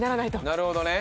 なるほどね。